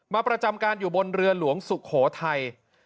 ประจำการอยู่บนเรือหลวงสุโขทัย